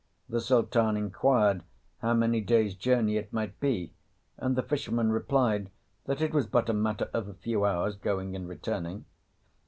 The Sultan inquired how many days' journey it might be, and the fisherman replied that it was but a matter of a few hours going and returning.